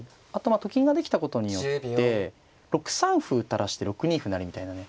あと金ができたことによって６三歩垂らして６二歩成みたいなね。